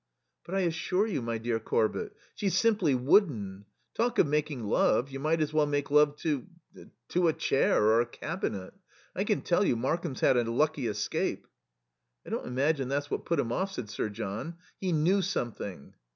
"But I assure you, my dear Corbett, she's simply wooden. Talk of making love, you might as well make love to to a chair or a cabinet. I can tell you Markham's had a lucky escape." "I don't imagine that's what put him off," said Sir John. "He knew something."